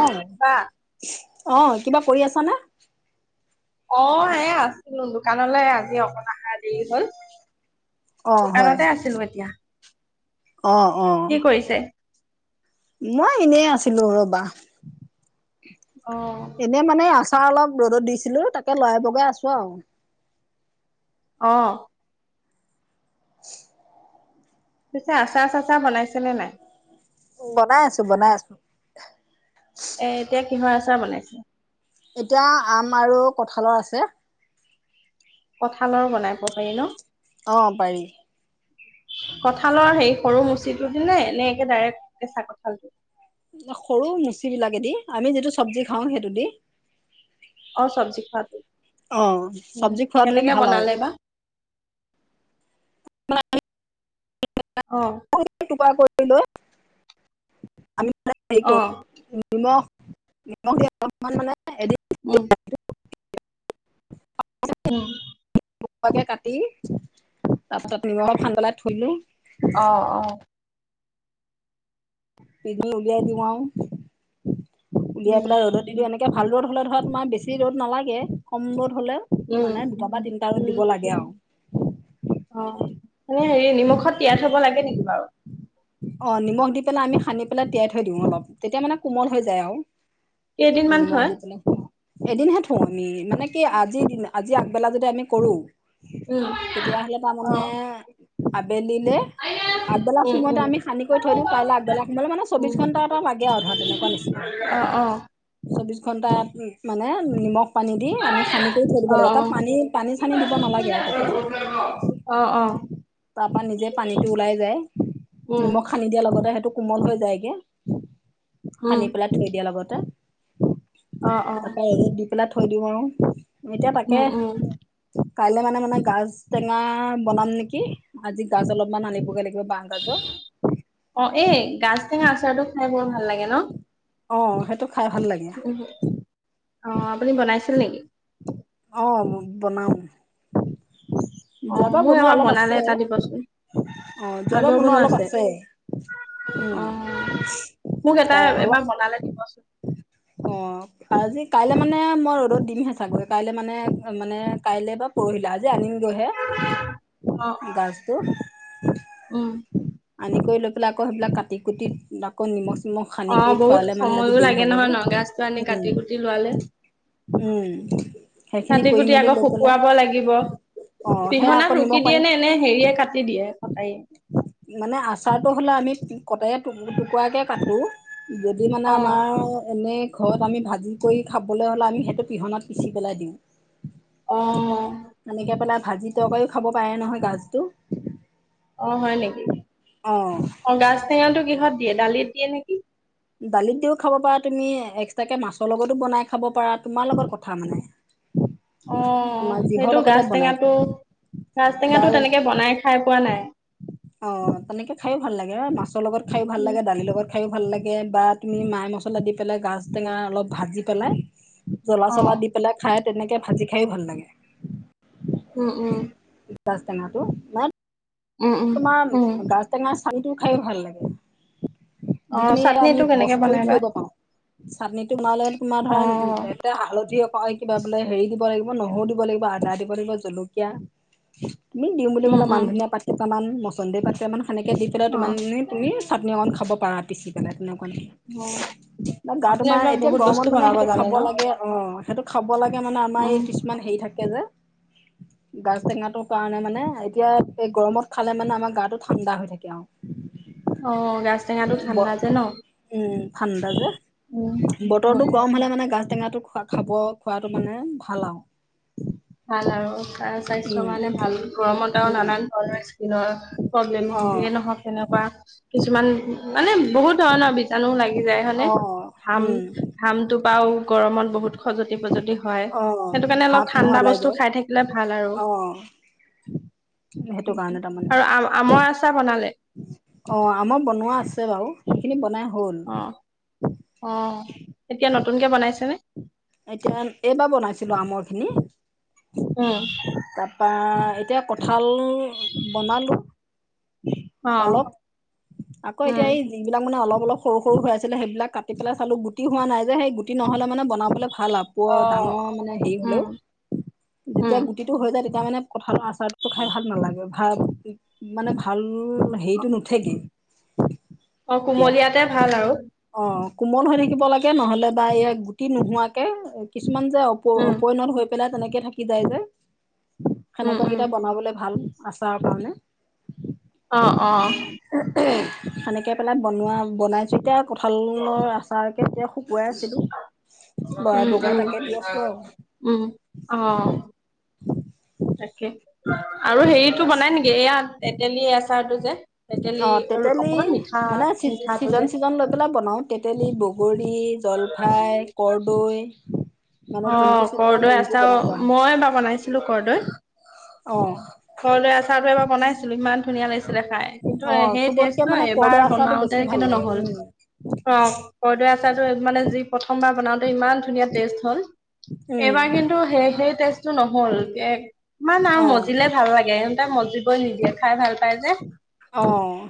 অ', অ', কিবা কৰি আছানে? অ', এয়া আছিলো দোকানলৈ আজি অকণ অহা দেৰি হ'ল। অ', হয় দোকানতে আছিলো এতিয়া। অ', অ'। কি কৰিছে? মই এনেই আছিলো ৰ'বা। অ'। এনেই মানে আচাৰ অলপ ৰ'দত দিছিলোঁ তাকে লৰাই বগাই আছোঁ আৰু। অ'। [inaudible] পিছে আচাৰ চাচাৰ বনাইছেনে নাই? বনাই আছো বনাই আছো। এ এতিয়া কিহৰ আচাৰ বনাইছে? এতিয়া আম আৰু কঁঠালৰ আছে। কঁঠালৰ বনাব পাৰি ন? অ', পাৰি। কঁঠালৰ হে সৰু মুচিটো দিনে নে এনেকে ডাইৰেক্ট কেঁচা কঁঠালটো? সৰু মুচিবিলাকে দি আমি যিটো চব্জি খাওঁ সেইটো দি। অ', চব্জি খোৱাটো অ', উম চব্জি খোৱাটো কেনেকে ভাল হয় বনালে বা? [inaudible] অ'। [inaudible] নিমখ অ', নিমখ [unintelligible] উম, [inaudible] উম। [unintelligible] কে কাটি তাৰপিছত নিমখ সানি পেলাই থৈ দিলো। অ', অ'। পিনি উলিয়াই দিওঁ আৰু উলিয়াই উম, পেলাই ৰ'দত কিন্তু এনেকৈ ভাল ৰ'দ হ'লে ধৰা তোমাৰ বেছি ৰ'দ নালাগে, কম ৰ'দ হ'লে উম, মানে দুটা বা তিনটা ৰ'দ উম, দিব লাগে আৰু।। অ', মানে হেৰি নিমখত তিয়াই থ'ব লাগে নেকি বাৰু? অ', নিমখ দি পেলাই আমি সানি পেলাই তিয়াই থৈ দিওঁ অলপ। তেতিয়া মানে কোমল হৈ যায় আৰু। কেইদিনমান নিমখ থয়? দি পেলাই। এদিনহে থওঁ আমি, মানে কি আজি, আজি আগবেলা যদি আমি কৰো। উম তেতিয়াহলে অ তাৰমানে আবেলিলে, আগবেলা উম সময়তে উম আমি, সানিকৈ থৈ দিওঁ, কাইলৈ আগবেলা সোমালাই মানে চৌবিশ উম ঘণ্টা এটা লাগে আৰু ধৰা তেনেকুৱা নিচিনা আৰু। অ অ চৌবিশ ঘণ্টাত মানে নিমখ- পানী দি আমি খানি কৰি থৈদিব অ লাগে, তাত পানী পানী চানি দিব নালাগে আৰু তাতে। অ অ অ তাৰপৰা নিজে পানীতটো ওলাই যায়। উম নিমখ সানি দিয়াৰ লগতে সেইটো কোমল হৈ যায়গে, উম সানি পেলাই থৈ দিয়াৰ লগতে। অ অ তাৰপা ৰদত দি পেলাই থৈ দিম আৰু এতিয়া উম তাকে উম কাইলৈ মানে, মানে গাজ টেঙা বনাম নেকি, আজি গাজ অলপমান আনিবগে লাগিব বা গাজ। অ, এই গাজ টেঙা আচাৰটো খাই বৰ ভাল লাগে ন। অ, সেইটো খাই ভাল লাগে। অ, আপুনি বনাইছিল নেকি? অঁ, বনাওঁ। অ যোৱা বাৰ মোৰ বনোৱা এবাৰ অলপ বনালে আছে। এটা দিবচোন অঁ, যোৱাবাৰ বনোৱা অলপ আছে। উম অ, মোক ত এটা অলপ এবাৰ বনালে দিবচোন। অ' আজি কাইলে মানে মই ৰ'দত দিমহে চাগৈ, কাইলৈ মানে মানে কাইলৈ বা পৰহিলে আজি আনিম গৈ হে চাগে। অ 'অ,। গাছটো। উম। আনি কৰি লৈ পেলাই, আকৌ সেইবিলাক কাটি কুটি আকৌ নিমখ নিমখ অ সানি কৰি থ-। বহুত সময়ো লাগে নহয়, ন গছটো আনি কাটি উম কুটি লোৱালে। উম সেইখিনি কাটি কৰি কুটি মেলি আকৌ লৈ পেলাই শুকুৱাব লাগিব। অ সেয়া আকৌ পিহনাত নিমখ ৰুকি দিয়ে পানী নে এনেই হেৰিয়ে কাটি দিয়ে, কটাৰী। মানে আচাৰতটো হ'লে, আমি কতাৰীয়ে টুকুৰাৰাকে কাটো। যদি মানে অ', আমাৰ ও এনেই ঘৰত আমি ভাজি কৰি খাবলৈ হ'লে, আমি সেইটো পিহনাত পিচি পেলাই দিওঁ। অঁ। এনেকে পেলাই ভাজি তৰকাৰিও খাব পাৰে নহয় গাজটো। অ হয় নেকি। অ অ গাজ টেঙাটো কিহত দিয়ে দালিত দিয়ে নেকি। দালিত দিও খাব পাৰা তুমি এক্সট্ৰাকে মাছৰ লগতো বনাই খাব পাৰা, তোমাৰ লগত কথা মানে। অ তোমাৰ যিহৰ সেইটো লগতে গাজ বনাই টেঙাটো, খোৱা গাছ বা টেঙাটো তেনেকে বনাই খাই পোৱা নাই। অ, তেনেকে খাইয়ো ভাল লাগে মাছৰ লগত খাই ভাল উম, লাগে দালিৰ লগত। খায়ো ভাল লাগে, বা তুমি মাই মছলা দি পেলাই গাজ টেঙা অলপ ভাজি পেলাই, জ্বলা চলা অ', দি পেলাই খাই তেনেকে ভাজি খাই ভাল লাগে। উম উম। গাজ টেঙাটো, উম, উম, তোমাৰ উম, গাাজ টেঙা চানটো খাইয়ো ভাল লাগে। যি অ', তুমি আমি চাটনিটো কেনেকে বনাই বছৰি বা? থৈ দিব পাৰো, চাটনিটো বনালে তোমাৰ অ', ধৰা, এ হালধি কয় কিবা বোলে হেৰি দিব লাগিব, নহৰু দিব লাগিব, আদা দিব লাগিব জলকীয়া, তুমি দিম বুলি উম, ক'লে মান উম, ধনিয়া পাট কেইটা মান, মচন্দিৰ পাতকেইটামান সেনেকে দি পেলাই তোমাৰ, অ', তুমি চাটনি অকণ খাব পাৰা পিচি পেলাই তেনেকুৱা ন। অ', বা আপুনি তোমাৰ এইবিলাক এতিয়া বহুত গৰমত বস্তু মানে বনাব সেইটো জানে খাব ন? লাগে। অ সেইটো খাব লাগে মানে আমাৰ উম, এই কিছ কিমান হেৰি থাকে যে গাজ টেঙাটোৰ কাৰণে মানে এতিয়া এই গৰমত খালে মানে আমাৰ গাটো ঠাণ্ডা হৈ থাকে আৰু অ', গাজ টেঙাটো ব ঠাণ্ডা যে ন? উম ঠাণ্ডা যে উম, উম, বতৰটো উম। গৰম হলে মানে গাছটেঙাটো খোৱা খাব খোৱাটো মানে ভাল আউ ভাল আৰু স্বাস্থ্য কাৰণে ভাল গৰমত আৰু উম নানান ধৰণৰ দিনৰ প্ৰব্লেম অ হয় যিয়ে নহওক তেনেকুৱা কিছুমান মানে বহুত ধৰণৰ বীজাণুও লাগি যায় অ হয়নে ঘাম উম ঘামটোপাও গৰমত বহুত খজতি পজতি হয় অ সেইটো কাৰণে ভাপ অলপ ধোৱা ঠাণ্ডা ওলাই বস্তু যায় খাই থাকিলে ভাল আৰু অ সেইটো উম উম কাৰণে তাৰমানে আৰু আ আমৰ আচাৰ বনালে অ আমৰ বনোৱা আছে বাৰু সেইখিনি বনাই হ'ল অ অ এতিয়া নতুনকে বনাইছে নে এতিয়া এইবাৰ বনাইছিলো আমৰ খিনি উম তাপা এতিয়া কঠাল বনালো অ অলপ আকৌ উম এতিয়া এই যোনবিলাক মানে অলপ অলপ সৰু সৰু হৈ আছিলে সেইবিলাক কাটি পেলাই চালো গুটি হোৱা নাই যে সেই গুটি নহ'লে মানে বনাবলে ফালা-প অ ডাঙৰ মানে হেৰি হলেও উম যেতিয়া উম গুটিটো হৈ যায় তেতিয়া মানে কঠালৰ আছ চাৰটো খাই ভাল নালাগে ভাল মানে ভাল সেইটো নুঠেগে অ কুমলিয়াতে ভাল আৰু অ কোমল হৈ থাকিব লাগে নহলে বা এয়া গুটি নোহোৱাকে কিছুমান যে আ প উম পৈণন হৈ পেলাই তেনেকে থাকি যায় যে উম উম সেনেকুৱাকেইটা বনাবলে ভাল হয় আচাৰ কাৰণে অ অ সেনেকে পেলাই বনোৱা বনাইছো এতিয়া কঁঠালৰ আচাৰকে এতিয়া শুকুৱাই আছিলো লৰাই বগাই উম তাকে দি আছো আৰু উম উম অ তাকে আৰু হেৰিটো বনাই নেকি এইয়া তেতেলী আচাৰটো যে তেতেলী অ আৰু তেতেলী অকমান মিঠা মানে চি মিঠাটো চিজন যে চিজন লৈ পেলাই বনাও তেতেলী বগৰী জলফাই কৰদৈ অ কৰৰ্দৈ আছাও হয় মই এবাৰ বনাইছিলো কৰৰ্দৈ অ কৰদৈ আচাৰটো এবাৰ বনাইছিলো ইমান ধুনীয়া লাগিছিলে খাই কিন্তু অ সেই চবতকে টেষ্টটো মানে কৰ্দৈ এইবাৰ আচাৰটো বেছি বনাওতে ভাল কিন্তু লাগে নহ'ল উম কৰ কৰদৈ আচাৰটো মানে যি প্ৰথমবাৰ বনাওতে ইমান ধুনীয়া টেষ্ট হ'ল এইবাৰ উম কিন্তু সেই সেই টেষ্টটো নহল ইমান আৰু অ মজিলে ভাল লাগে মজিবই নিদিয়ে খাই ভাল পায় যে অ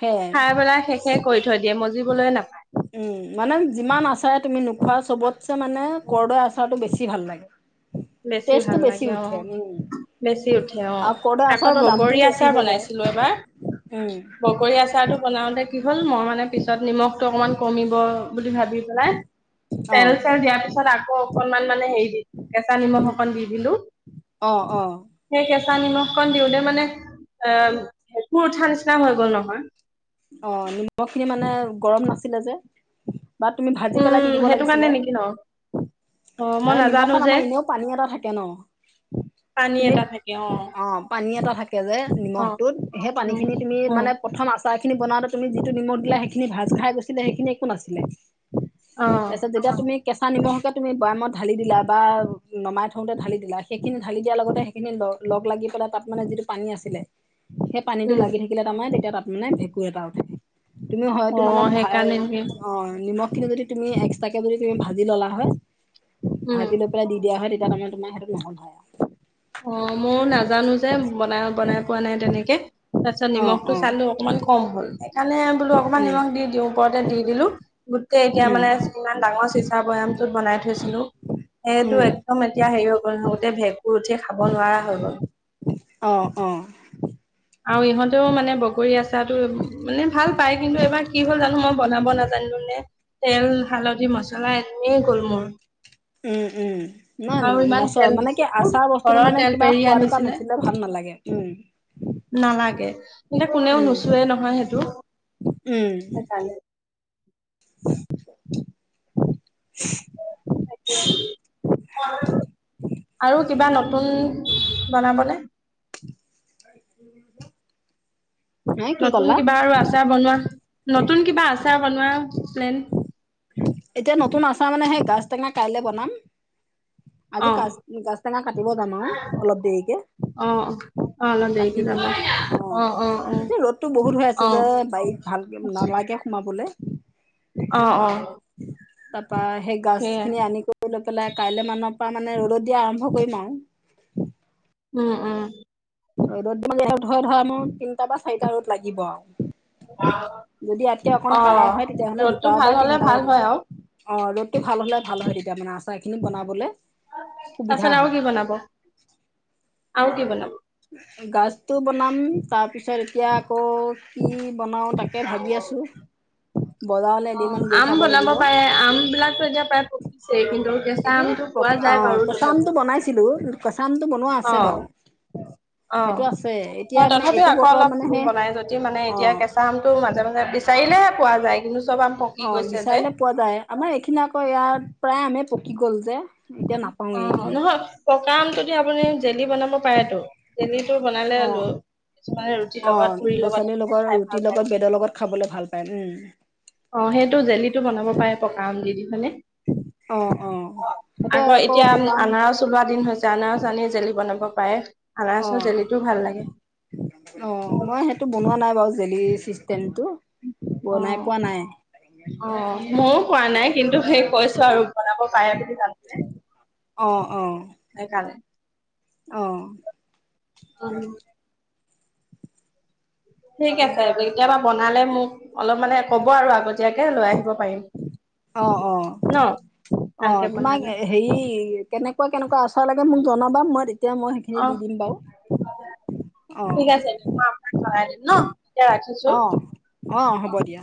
সেইয়াই খাই পেলাই শেষ শেই কৰি থৈ দিয়ে মজিবলৈ নাপায় উম মানে যিমান আচাৰে তুমি নোখোৱা চবত ছে মানে কৰৰ্দ আচাৰটো বেছি ভাল লাগে টেষ্টটো বেছি উঠে উম বেচি উঠে অ আৰু কৰদৈ আকৌ আচাৰটোৰ বগৰী দামটোও বেছি আচাৰ হৈ যায় বনাইছিলো এবাৰ উম বগৰী আচাৰটো বনাওঁতে কি হ'ল মই মানে পিছত নিমখটো অকণমান কমিব বুলি ভাবি পেলাই অ তেল চেল দিয়াৰ পিছত আকৌ অকনমান মানে হেৰি দি এ নিমখ অকণ দি দিলো অ অ সেই কেঁচা নিমখখন দিওঁতে মানে এ ভেকুৰ উঠা নিচিনা হৈ গল নহয়। অঁ নিমখখিনি মানে গৰম নাছিলে যে। বাট তুমি ভাজি পেলাই উম দি দিব সেইটো কাৰণে লাগিছিলে। নেকি ন অ মই মানে নাজানো নিমখত যে আমাৰ এনেও পানী এটা থাকে ন। পানী তুমি এটা থাকে অ অঁ পানী এটা থাকে। কে যে অ নিমখটোত, সেই উম পানীখিনি তুমি উম মানে প্ৰথম আছ- চাহ খিনি বনাওঁতে তুমি যিটো নিমখ দিলা সেইখিনি ভাজ খাই গৈছিলে সেইখিনি একো নাছিলে, অ তাৰপিছত যেত- তিয়া তুমি কেঁচা নিমখকে তুমি বয়ামত ঢালি দিলা বা নমাই থওঁতে ঢালি দিলা সেইখিনি ধালি দিয়াৰ লগতে- সিখিনি লগ লাগি পেলাই তাত মানে যিটো পানী আছিলে, সেট- পানীটো উম লাগি থাকিলে তাৰমানে তেতিয়া তাত মানে ভেঁকুৰ এটা উঠে, তুমি অ হয়তো মানে সেইকাৰণে ভাই- নেকি অঁ নিমখ খিনি যদি তুমি এক্সট্ৰাকে যদি তুমি ভাজি ললা হয়, - উম ভাজি লৈ পেলাই দি দিয়া হয়, তেতিয়া তামানে তোমাৰ সেইটো নহ'ল হয় আ। অঁ মও নাজানো যে বনাই বনাই পোৱা নাই তেনেকে। তাৰ পিছত অ নিমখটো অ চালো অকমান কম হ'ল, সেইকাৰণে বোলো অকমান উম নিমখ দি দিওঁ ওপৰতে দি দিলো- গোটেই এতিয়া উম মানে ইমান ডাঙৰ চিচা বৈয়ামটোত বনাই থৈছিলো, সেইটো উম এক- দম এতিয়া হেৰি হৈ গ'ল নহয়, গোটেই ভেঁকুৰ উঠি খাব নোৱাৰা হৈ গ'ল। অ অ আৰু ইহঁতেও মানে বগৰী আচাৰ টো মানে ভাল পায়, কিন্তু এবাৰ কি হল জানো মই বনাব নাজ- জানিলো নে, তেল হালধি মছলা এনেই গ'ল মোৰ। উম' উম' নাই আৰু ইমান মছ তেল মানে কি দিছিলো আচাৰ বস্তুটো ঘৰৰ তেল কিবা পেৰি সোৱাদ এটা আনিছিলে নুঠিল- লে ভাল নালাগে। উম' নালাগে, হিন্তে কোনেও উম নুচোৱে নহয় সেইটো, উম সেইকাৰণে। [inaudible] সেইটোৱে আৰু কিবা নতুন বনাবনে? [unintelligible] হে কি নতুন ক'লা? কিবা আৰু আচাৰ বনোৱা, নতুন কিবা আচাৰ বনোৱা প্লেন? এতিয়া নতুন আচাৰ মানে সেই গাজ টেঙা কাইলে বনাম। আজি অ কাজ গাজ টেঙা কাটিব যাম আৰু অলপ দেৰিকে। অ অ অলপ দেৰিকে কাটি যাব পেলাই অঁ অ অ এতিয়া ৰ'দটো বহুত হৈ অ আছে অ যে বাৰীত- ভালকে নালাগে সোমাবলে। অঁ অঁ' তাপা সেই গাজ খিনি আনি গ- লৈ পেলাই কাইলে মানৰ পৰা মানে ৰ'দত দিয়া আৰম্ভ কৰিম আৰু। উম' উম' ৰ'দত দিলে ধৰা ধৰা মোৰ তিনটা বা চাৰিটা ৰ'দ লাগিব আৰু। যদি ইয়াতকে অকন অ কাৰা হয়, তেতিয়াহ'লে ৰ'দটো দুটা ভাল বা হলে তিনটা ভাল ৰ'দে। হয় আৰু অঁ ৰ'দটো ভাল হ'লে ভাল হয় তেতিয়া মানে আচাৰখিনি বনাবলে। সুবিধা তাপাছত আৰু হয়। কি বনাব? আৰু কি বনাব? গাজটো বনাম, তাৰপিছত এতিয়া আকৌ- কি বনাওঁ তাকে ভাবি আছোঁ। বজাৰলে অ এদিনমান গৈ আম চাব বনাব লাগিব। পাৰে আম বিলাকতো এতিয়া [unintelligible] এতিয়া আমটো পোৱা পকা যায় অঁ বাৰু কেঁচা আমটো তথাপিও বনাইছিলো, কেঁচা আমটো বনোৱা আছে বাৰু। অঁ সেইটো আছে এতিয়া অঁ মানে তথাপিও এইটো আকৌ বতৰত অলপ মানে সেই বনাই যদি মানে এতিয়া অ' কেঁচা আম- টো মাজে মাজে বিচাৰিলেহে পোৱা যায়, কিন্তু চব আম পক- অঁ বিচাৰিলে পোৱা যায়, আমাৰ এইখিনি আকৌ ইয়াত প্ৰায় আমে পকি গ'ল যে। এতিয়া নাপাওঁৱেই অ' এইখিনিত নহয় পকা আমটো দি আপুনি জেলি বনাব পাৰেতো জেলিটো বনালে অ'। লৈ কিছুমানে ৰুটিৰ অ' লগত পুৰি ল'ৰা ছোৱালীৰ লগত খাই ৰুটিৰ ভাল লগত পায় ব্ৰেডৰ লগত খাবলৈ ভাল পায় উম অ' সেইটো জেলিটো বনাব পাৰে পকা আম দি দি হয়নে অ' অ' সেইটো আকৌ এতিয়া আম পকা আনাৰস ওলোৱা দিন হৈছে আনাৰসৰ আনি জেলি বনাব পাৰে আনাৰসৰ অ'। জেলিটোও ভাল লাগে অ' মই সেইটো বনোৱা নাই বাৰু জেলি চিষ্টেমটো বনাই পোৱা নাই মইয়ো পোৱা নাই কিন্তু সেই কৈছো আৰু বনাব পাৰে বুলি জানো যে অ অ সেইকাৰণে অ' উম ঠিক আছে কেতিয়াবা বনালে মোক অলপ মানে ক'ব আৰু আগতীয়াকে লৈ আহিব পাৰিম অ অ ন অ ভালকে তোমাক বনালে এ হেৰি কেনেকুৱা কেনেকুৱা আচাৰ লাগে মোক জনাবা মই দিম তিয়া মই সেইখিনি অ দি দিম বাৰু [inaudible] ৰাখিছো অ অ হ'ব দিয়া